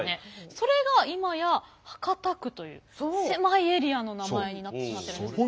それが今や博多区という狭いエリアの名前になってしまってるんですよね。